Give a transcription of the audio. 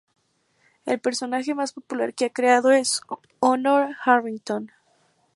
El personaje más popular que ha creado es Honor Harrington.